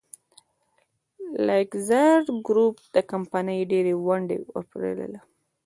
لاکزر ګروپ د کمپنۍ ډېرې ونډې وپېرله.